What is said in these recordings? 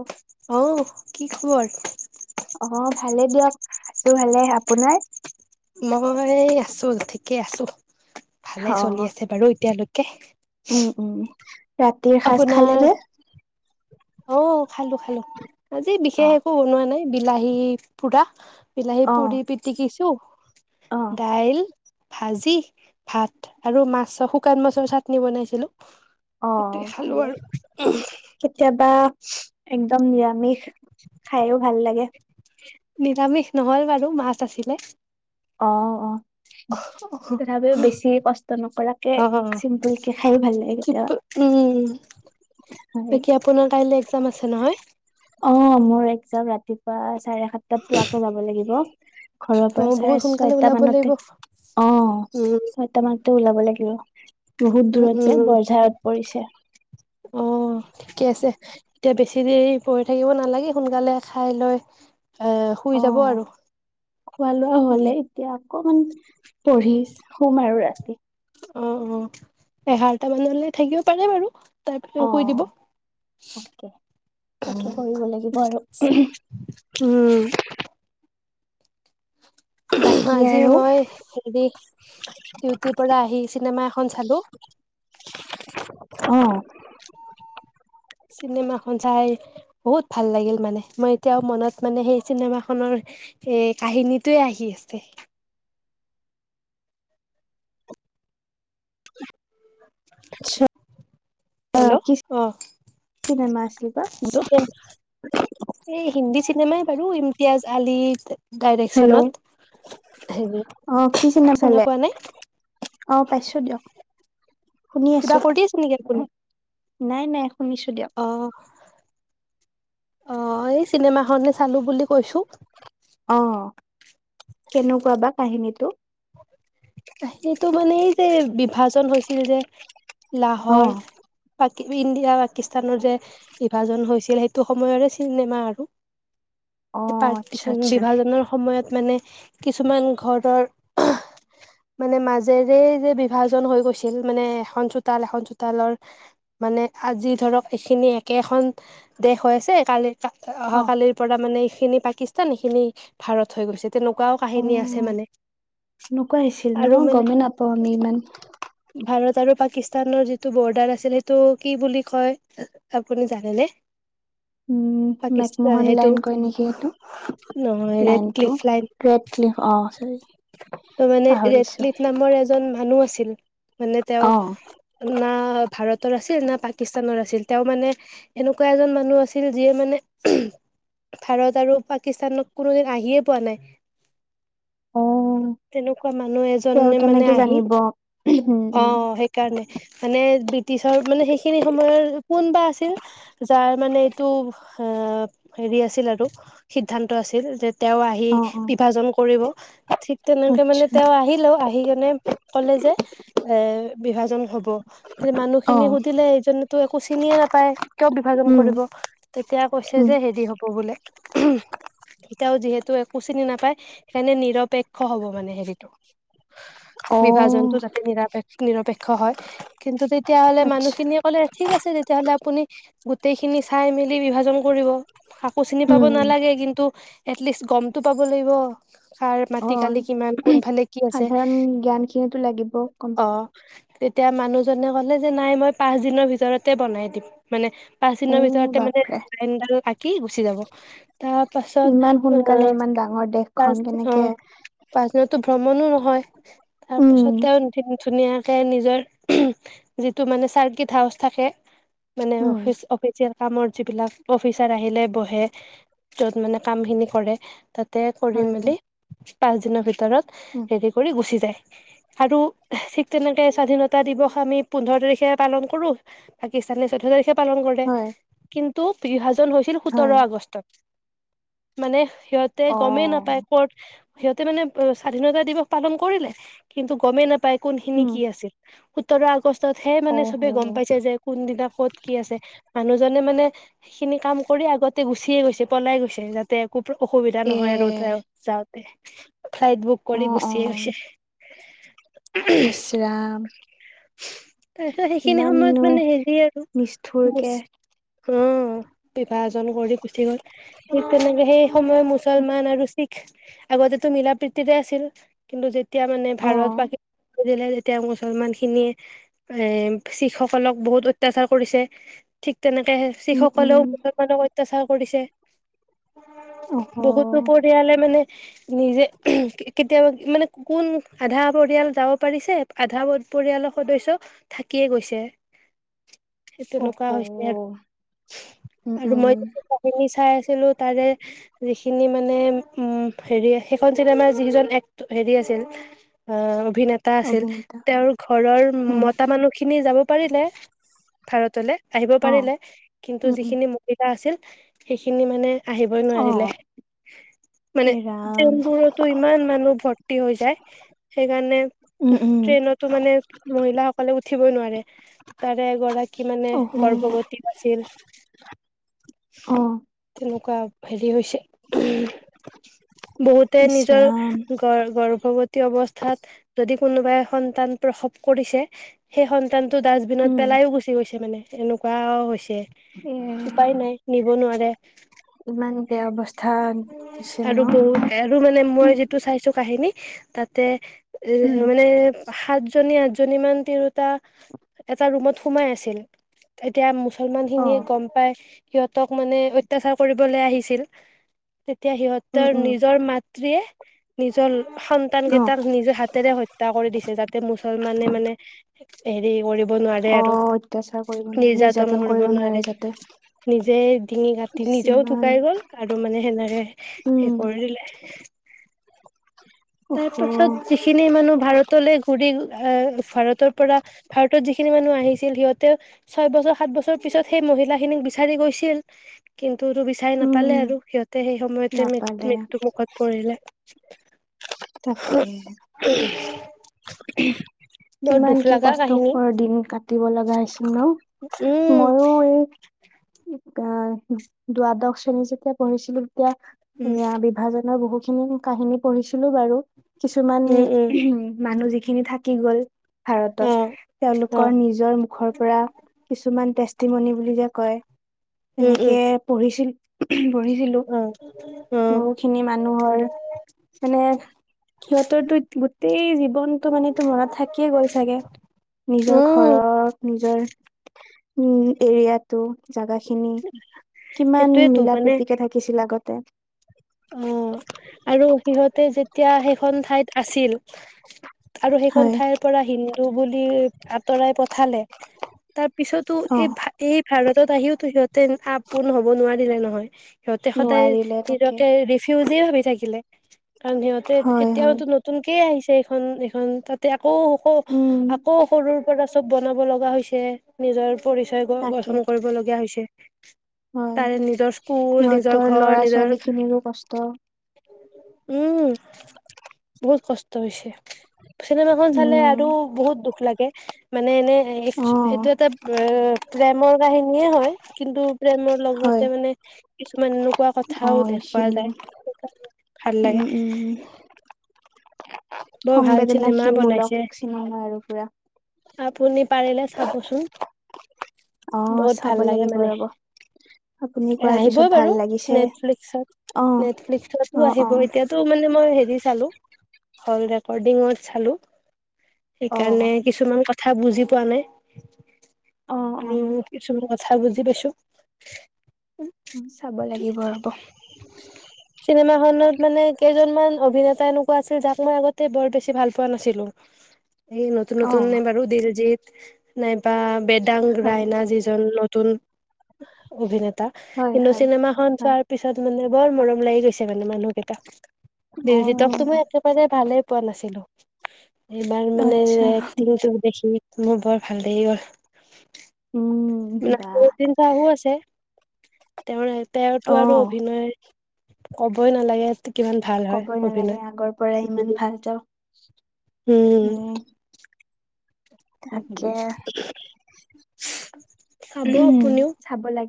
অ' আহ কি খবৰ? ভালে দিয়ক আছো ভালে আপোনাৰ? মই আছো ঠিকেই আছো। ভালে চলি অ' আছে বাৰু এতিয়ালৈকে। কে উম উম। ৰাতিৰ সাজ আপোনাৰ খালে নে? অ খালো খালো আজি বিশেষ অ', একো বনোৱা নাই। বিলাহী পোৰা। বিলাহী পুৰি অ', পিটিকিছো অ', দাইল ভাজি ভাত আৰু মাছ শুকান মাছৰ চাটনি বনাইছিলো। অ সেইটোৱে খালো ভালে আৰু। কেতিয়াবা বা [unintelligible] একদম নিৰামিষ খাইও ভাল লাগে নিৰামিষ নহ'ল বাৰু মাছ আছিলে অ অ তথাপিও বেছি কষ্ট নকৰাকে অ' চিম্পুল কে খাই ভাল লাগে কেতিয়াবা উম হয় বাকী আপোনাৰ কাইলৈ এক্জাম আছে নহয় অ মোৰ একজাম ৰাতিপুৱা আছে চাৰে সাত তাত পোৱাকে যাব লাগিব ঘৰৰ পৰা অ' বহুত চাৰে সোনকালে ছয়টা ওলাব লাগিব। মানতে অ উম ছয়টা মানতে ওলাব লাগিব বহুত উম দূৰত যে উম বৰঝাৰত পৰিছে অ ঠিকে আছে এতিয়া বেছি দেৰি পঢ়ি থাকিব নালাগে সোনকালে খাই লৈ এ শুই অ যাব আৰু খোৱা লোৱা উম হ'লে এতিয়া অকমান পঢ়িছ সোম আৰু ৰাতি অ অ এঘাৰটা মানলে থাকিব পাৰিম আৰু অ তাৰপিছত শুই দিব তাকে তাকে কৰিব লাগিব আৰু উম উমহ বাকী আজি আৰু মই হেৰি ডিউটিৰ পৰা আহি চিনেমা এখন চালো অ চিনেমাখন চাই বহুত ভাল লাগিল মানে মই এতিয়াও মনত মানে সেই চিনেমাখনৰ এ কাহিনীটোৱে আহি আছে আচ্ছা হেল্ল' কি অহ চিনেমা আছিল বা চিনে এই হিন্দী চিনেমাই বাৰু ইমতিয়াজ আলি ডাইৰেকচনত হেল্ল' হেৰি আহ কি চিনেমা শুনা চালে পোৱা নাই অ পাইছোঁ দিয়ক শুনি কিবা আছো। কৰি আছে নেকি আপুনি নাই নাই শুনিছো দিয়ক। আহ অ এই চিনেমাখনে চালো বুলি কৈছো অ কেনেকুৱা বা কাহিনীটো পাহলেটো মানে এই যে বিভাজন হৈছিল যে অ লাহৰ ইণ্ডিয়া পাকিস্তানৰ যে বিভাজন হৈছিল সেইটো সময়ৰে চিনেমা আৰু অ আচ্ছা পাৰটিচন আচ্ছা। বিভাজনৰ সময়ত মানে কিছুমান ঘৰৰ মানে মাজেৰে যে বিভাজন হৈ গৈছিল মানে এখন চোতাল এখন চোতালৰ মানে আজি ধৰক এইখিনি একেখন দেশ হৈ আছে কালি অ অহাকালিৰ পৰা মানে এইখিনি পাকিস্তান এইখিনি ভাৰত হৈ গৈছে তেনেকোৱাও কাহিনী আছে মানে নোকোৱা আহিছিল ন আৰু মানে গমেই নাপাওঁ আমি ইমান ভাৰত আৰু পাকিস্তানৰ যিটো বৰ্ডাৰ আছিল সেইটো কি বুলি কয় আপুনি জানেনে উম পাকিস্তান মেকমোহন সেইটো লাইন কৰেয় নেকি নহয় সেইটো ৰেড লাইনতটো ক্লিফ লাইন ৰেড ক্লিভ অ ত মানে ৰেড পাহৰিছো ক্লিত নামৰ এজন মানুহ আছিল মানে তেওঁ অ'। না ভাৰতৰ আছিল না পাকিস্তানৰ আছিল আছিল তেওঁ মানে এনেকুৱা এজন মানুহ আছিল যিয়ে মানে ভাৰত আৰু পাকিস্তানক কোনোদিন আহিয়ে পোৱা নাই অ তেনেকুৱা মানুহ তেওঁ এজনে মানে কেনেকে আহি জানিব অ উম সেইকাৰণে মানে ব্ৰিটিছৰ মানে সেইখিনি সময়ৰ কোনবা আছিল যাৰ মানে এইটো এ হেৰি আছিল আৰু সিদ্ধান্ত আছিল যে তেওঁ আহি অ অ। বিভাজন কৰিব িক তেনেকে মানে আচ্ছা তেওঁ আহিলেও আহি কেনে ক'লে যে এ বিভাজন হ অ মানুহখিনি সুধিলে এইজনেতো একো চিনিয়ে নাপায় কিয় বিভাজন উম, কৰিব তেতিয়া কৈছে উম। যে হেৰি হব বোলে এতিয়াও যিহেতু কুচি নাপায় সেইকাৰণে নিৰপেক্ষ হব মানে হেৰিটো অ বিভাজনতটো যাতে নিৰাপে নিৰপেক্ষ হয় কিন্তু তেতিয়া হ'লে আচ্ছা মানুহখিনিয়ে ক'লে ঠিক আছে তেতিয়াাহ'লে আপুনি গোটেইখিনি চাই মেলি বিভাজন কৰিব শাকো চিনি পাব উম। নালাগে কিন্তু এটলিষ্ট গমতটো পাব লাগিব কাৰ ম অ সাধাৰণ জ্ঞান খিনিতো লাগিব কম অ তেতিয়া মানুহজনে কলে যে নাই মই পাঁচ দিনৰ ভিতৰতে বনাই দিম মানে পাঁচ অ দিনৰ ভিতৰতে মানে বাপৰে। লাইনডাল আঁকি গুচি যাব তাৰ পাছত ইমান অ সোনকালে ইমান ডাঙৰ দেশখন পচ অ কেনেকে পাচনাতো ভ্ৰমণ নহয় তপা সতে উম ধুনীয়াকে নিজৰ যিটো মানে চাৰ্কিিত হাউচ থাকে মানে উম অফিচ অফিচিয়েল কামৰ যিবিলাক অফিচাৰ আহিলে বহে য'ত মানে কাম খিনি কৰে তাত কৰি হয় হয়। মেলি পাঁচ দিনৰ ভিতৰত উম হেৰি কৰি গুচি যায় আৰু ঠিক তেনেকে স্বাধীনতা দিৱস আমি পোন্ধৰ তাৰিখে পালন কৰো পাকিস্তানে চৈধয় তাৰিখে পালং গো হয় কিন্তু তহ ন হৈছিল সোতৰ হয় আগষ্টত মানে সিহঁতে অ গমেই নাপায় ক'ত সিহঁতে মানে স্বাধীনতা দিৱস পালন কৰিলে কিন্তু গমেই নাপায় কোনখিনি উম কি আছিল উত্তৰ আগ কষ্টত হে অ মানে হ। চবে গম পাইছে যে কোনদিনা ক'ত কি আছে মানুহজনে মানে সেইখিনি কাম কৰি আগতে গুচিয়ে গৈছে পলাই গৈছে যাতে খুব অসুবিধা এ নহয় ৰ'দ যাওঁাত তে ফ্লাইট বুক অ কৰি অ গুচিয়ে গৈছে উ ইচ ৰাম। তাৰপিছত সেইখিনি সময়ত ইমাননো মানে হেৰি আৰু নিষ্ঠুৰকে অ বিভ এাজ কৰি পুঠি গ'ল ঠিক তেনেকে সেই সময় মুছলমান আৰু শিখ আগতেতো মিলা প্ৰীতিৰে আছিল কিন্তু এতিয়া মানে ভাৰত অ', পাকিসান এতিয়া মুছলমান খিনিয়ে এ শিখসকলক বহুত অত্যাচাৰ কৰিছে ঠিক তেনেকে উম, শিখসকলেও উম, মুছলমানৰ অত্যাচাৰ কৰিছে অহ। বহুতো পৰিয়ালে মানে নিজে কেতিয়াবা মানে কোন আধা পৰিয়াল যাব পাৰিছে আধা পৰিয়ালৰ সদস্য় থাকিয়ে গৈছে। সেই অহ, তেনেকুৱা হৈছে। আৰু উম, আৰু মই উম। য কাহিনী চাই আছিলো। তাৰে যিখিনি মানে। হেৰি সেইখন চিনেমাৰ যিজন এক হেৰি আছিল অ। অভিনেতা আছিল অভিনেতা, তেওঁৰ ঘৰৰ উম, মতা মানুহখিনি যাব পাৰিলে। ভাৰতলৈ। আহিব অ', পাৰিলে কিন্তু উম, উম, যিখিনি মহিলা আছিল। সেইখিনি মানে। আহিবই নোৱাৰিলে। অ', এ ৰাম, জেংবোৰতো ইমান মানুহ ভৰ্তি। হৈ যায়। সেইকাৰণে। উম, উম। ট্ৰেইনতো মানে মহিলাসকলে উঠি। উঠিবই নোৱাৰে। তাৰে এগৰাকী মানে অহ, গৰ্ভৱতী আছিল অ', তেনেকুৱা হেৰি হৈছে। বহুতে ইচ নিজৰ ৰাম, গ গৰ্ভৱতী অৱস্থাত যদি।। কোনোবাই সন্তানটো প্ৰসব কৰিছে। সেই সন্তান।। টেন টো ডাষ্টবিনত উম, পেলাওঁ গুচি গৈছে মানে।। এনেকুৱাও হৈছে। এ উপায় নাই নিব নোৱাৰে।। ইমান বেয়া অৱস্থা হৈছিল আৰু ন? বহু আৰু মানে মই উম, যিটো চাইছো।। কাহিনী তাতে। এ উম, মানে সাত। জনী আঠজনী মান তিৰোতা এটা ৰুমত সোমাই আছিল। এতিয়া সিমান খিনি অ', গম পাই। সিহঁতক মানে অত্যাচাৰ কৰিবলৈ আহিছিল। তেতিয়া সিহঁত। উম, তেওঁৰ উম, নিজৰ মাত। মাতৃয়ে। নিজৰ সন্তান অ', কেইটাক নিজে হাতেৰে হত্যা কৰি দিছে তাত। মুছলমানে মানে হেৰি কৰিব। নোৱাৰে আৰু অ', অত্যাচাৰ কৰিব নোৱাৰে, নিৰ্যাতন কৰিব নোৱাৰে। যাতে। নিজে ডিঙি কাটি ইচ নিজেও ইমান, ঢুকাই গল আৰু মানে সেনেকে। স উম, কৰি দিলে। তাৰ অহ, পাছত যিখিনি মানুহ ভাৰতলৈ ঘুৰিল।। এ ভাৰতৰ পৰা ভাৰতত যিখিনি মানুহ আহিছিল। সিহঁতেও ছয় বছৰ সাত বছৰ পিছত সেই মহিলা খিনিক বিচাৰি গৈছিল। কিন্তু।। তো বিচাৰি উম, নাপালে উম, আৰু সিহঁতে সেই সময়তে, মৃ নাপালে মৃত্যু মুখত পঢ়িলে। [inaudible] তাকেই।। বৰ দুখ কিমান কি লগা কাহিনী কষ্টকৰ দিন কাটিব লগা হৈছিল। ন উম। অ দ্বাদশ শ্ৰেণী যেতিয়া পঢ়িছিলো।। তেতিয়া উম সেয়া বিভাজনৰ বহুত।। নতুন নতুন কাহিনী পঢ়িছো। ছিলো বাৰু কিছুমান উম উম উ মানুজিক সেই খিনি থাকি গ'ল ভাৰতত অ অ তেওঁলোকৰ নিজৰ মুখৰ পৰা কিছুমান পতিমণি বুলি যে কয় উম তেনেকে উম পঢ়িছিল উম অ অ বহুখিনি মানুহৰ সিহঁতৰো গোটেই জীৱনতটো মানেো মনত থাকিয়ে গ'ল চাগে নিজৰ উম ঘৰৰত নিজৰ উম এৰিয়াাতটো জাগা খিনি কিমান সেইটোয়েতো মিলা মানে প্ৰীতিকে থাকিছিল আগত [inaudible] তে যেতিয়া সেইখন ঠাইত আছিল [inaudible] আৰু সেইখন হয় ঠাইৰ পৰা হিন্দু বুলি আঁতৰাই পঠালে তাৰ পিছতো অ এই এই ভাৰতত আহিওতো সিহঁতে আপোন হ'ব নোৱাৰি দিলে নহয় সিহঁতে সদায় নোৱাৰিলে নিজ তাকে িজ ভাবি থাকিলে কাৰণ সিহঁতে হয় হয় এতিয়াওতো নতুনক আহিছে এইখন এখন তাতে আকৌক উম আকৌ সৰুৰ ত চব বনাব লগা হৈছে নিজৰ পৰিচয় গ তাকে গঠন কৰিবলগীয়া হৈছে উ হয় হয় নিজৰ সিহঁতৰ ঘৰ লৰা নিজৰ ছোৱালী খিনিৰ উম বহুত কষ্ট ত হৈছে চিনেমা খন চালে উম আৰু বহুত দুখ লাগে মানে এনে অ এইটো এটা প্ৰেমৰ কাহিনী িয়ে হয় কিন্তু প্ৰেমৰ হয় লগতে মানে কিছুমান এনেকুৱা কথাও দেখ িনি উম উম উ বৰ ভাল চিনেমা সংবেদনাশীলমূলক বনাইছে চিনেমা আৰু পুৰা। আপুনি পাৰিলে চাবচোন। অ বহুত চাব ভাল লাগে লাগিব মানে ৰ'ব। আপুনি কোৱাৰ পিছত আহিবই বাৰু ভাল লাগিছে অ নেটফ্লিক্সত অ নেটফ্লিক্সতো অ আহিব এতিয়াাতো মানে মই হে ৰিল চালো হল ৰেকডিঙত চালো। অ সেইকাৰণে কিছুমান ক কথা বুজি পোৱা নাই। অ অ আৰু কথা বুজি পাইছো। উম চাব লাগিব ৰ'ব। চিনেমাখনত মানে কেইজনমান অভিনেতা এনেকুৱা আছিল যাক মই আগতে বৰ বেছি ভাল পোৱা নাছিলো। এই নতুন অ নতুন এ বাৰু দিলজিত। নাইবা বেড। হয় ডাংৰাইনা যিজন তুন অভিনে তা হয়, কিন্তু হয়, চিনেমা খন হয়। চোৱাৰ পিছত মানে বৰ মৰম লাগি গৈছে মানে মানুহকেইটা দিলজিকটো অ', মই একেবাৰেে ভালে পোৱা নাছিলো। এইবাৰ মানে আচ্ছা, এক্টিংটো দেখি মোৰ বৰ ভাল লাগি গ'ল। উম, বাহ! নাছিৰুদ্দিন শ্বাহো আছে। তেওঁৰ তেওঁৰতো আৰু অ', অভিনয় ক'বই নালাগে। কিমান ভাল হয় কবই নালাগে, অভিনয় আগৰ পৰাই ইমান ভাল তেওঁ। উম! তাকে চাব আপুনিও।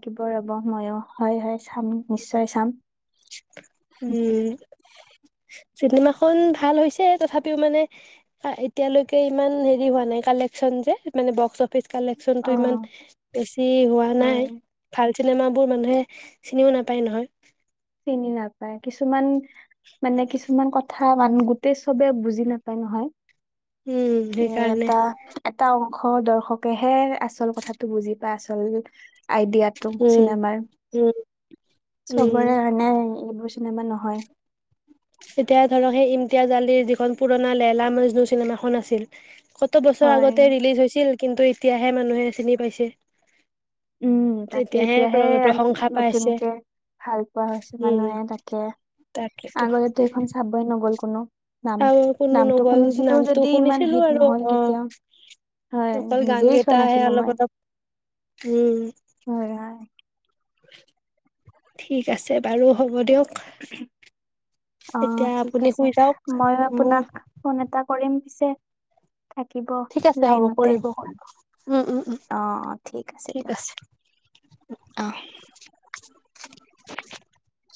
থাকিব ৰ'ব ময়ো, হয়। হয়। চাম নিশ্চয় চাম। উম। ‌ চিনেমা খন ভাল হৈছে, তথাপিও মানে, এতিয়ালৈকে ইমান হেৰি হোৱা নাই, কালেকচন যে মানে বক্স অফিচ। ‌ কালেকচন টো ইমান অ', বেছি হোৱা নাই হয়, ভাল চিনেমাবোৰ মানুহে চিনিও নাপায় নহয়। চিনি নাপায় কিছুমান মানে কিছুমান কথা। ‌ ক মানে গোটেই চবে বুজি নাপায় নহয়। উম অ' সেইকাৰণে এটা, এটা। দৰ্শকেহে আচল কথাাতটো বুজি পায়, আচল। ‌ আইডিয়াটো উম চিনেমাৰ। উম উম চবৰে আনে উ এইবোৰ চিনেমা নহয়। এতিয়া ধৰক সেই ইমটিয়া গাল যিখন পুৰণা লৈলা মজনু চিনেমাখন আছিল ‌ কত বছৰ হয়। আগতে ৰিলিজ হৈছিল। কিন্তু এতিয়াহে মানুহে চিনি পাইছে। উম তাকে, প্ৰ এতিয়াহে প্ৰশংসা পাইছে নতুনকে ভাল পোৱা হৈছে উম মানুহে তাকে তাকেতো আগতেতো এখন চাবই নগ'ল। কোনো। নাম আৰু কোনো নামটো নগল, শুনিছিলো নামটো যদি ইমান হিট শুনিছিলোঁ আৰু, নহ'ল অ, কেতিয়া হয় অকল গান নিজেই চোৱা কেইটাহে নাছিলো মই অলপ অলপ উম। উম। হয় হয় ঠিক আছে। বাৰু হ'ব দিয়ক, অ এতিয়া ঠিক আপুনি আছে শুই যাওক, মই আপোনাক ফোন উম। এটা কৰিম পিছে। থাকিব ঠিক আছে হ'ব লাইনতে, কৰিব উম, উম, উম, অ ঠিক আছে, দিয়ক, অ'হ।